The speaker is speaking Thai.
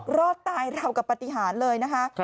รอดตายราวกับปฏิหารเลยนะคะ